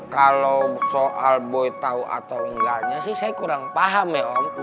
kalau soal boy tahu atau enggaknya sih saya kurang paham ya om